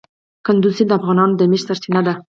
کندز سیند د افغانانو د معیشت سرچینه ده.